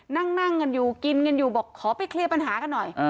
นั่งกันอยู่กินกันอยู่บอกขอไปเคลียร์ปัญหากันหน่อย